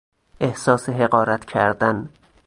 احساس حقارت کردن